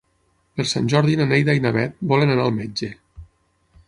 Per Sant Jordi na Neida i na Bet volen anar al metge.